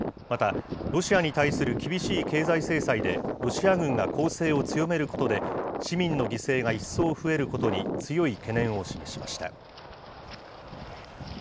またロシアに対する厳しい経済制裁で、ロシア軍が攻勢を強めることで、市民の犠牲が一層増えることに強い懸念を示しました。